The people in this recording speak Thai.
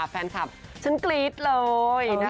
แฟนคลับชั้นกรี๊ดเลยนะคะ